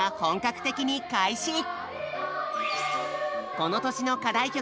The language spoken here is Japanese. この年の課題曲